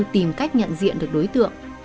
tìm cách nhận diện được đối tượng